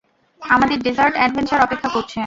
আমাদের desert adventure অপেক্ষা করছে।